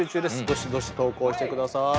どしどし投稿してください！